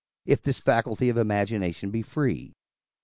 if this faculty of imagination be free.